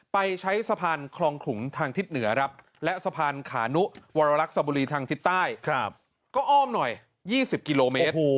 ไปใช้สะพานคลองขลุงทางทิศเหนือครับและสะพานขานุวรรลักษบุรีทางทิศใต้ก็อ้อมหน่อย๒๐กิโลเมตร